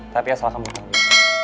tapi asal kamu tahu